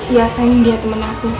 ya sayang dia temen aku